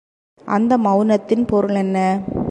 அந்த மெளனத்தின் பொருள் என்ன?